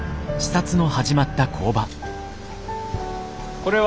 これは？